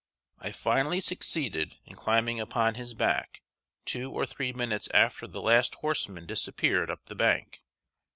I finally succeeded in climbing upon his back two or three minutes after the last horseman disappeared up the bank.